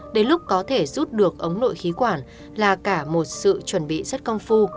đến lúc có thể rút được ống nội khí quản là cả một sự chuẩn bị rất công phu